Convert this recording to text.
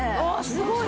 すごい！